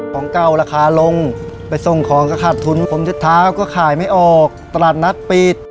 ของเก่าราคาลงไปส่งของก็ขาดทุนผมจะเท้าก็ขายไม่ออกตลาดนัดปิด